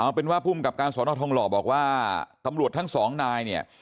เป็นว่าภูมิกับการสอนอทองหล่อบอกว่าตำรวจทั้งสองนายเนี่ย